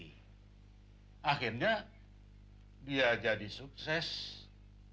akhirnya dia bisa mencicil sebuah angkot tua lalu dirawat dan disopiri sendiri